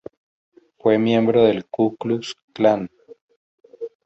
Fue miembro del Ku Klux Klan.